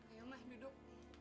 ayo ma duduk